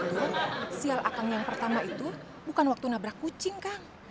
aduh sial akang yang pertama itu bukan waktu nabrak kucing kang